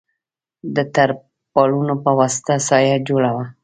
د تر پالونو په وسطه سایه جوړه وه.